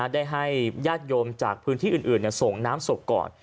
ได้ให้ญาติโยมจากพื้นที่อื่นส่งน้ำศพก่อน